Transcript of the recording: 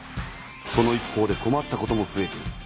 その一方で困ったこともふえている。